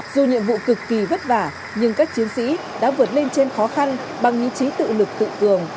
dù nhiệm vụ cực kỳ vất vả nhưng các chiến sĩ đã vượt lên trên khó khăn bằng ý chí tự lực tự cường